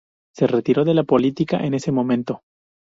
Se retiró de la política en ese momento.